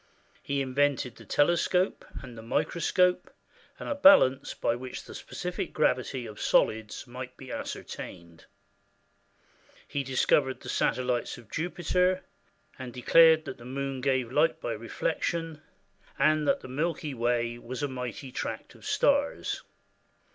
He invented the telescope and the microscope, and a balance by which the specific gravity of solids might be ascertained. He discovered the satellites of Jupiter, and declared that the moon gave light by reflection, and that the Milky Way was a mighty tract of stars.